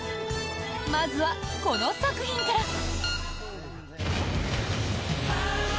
まずは、この作品から。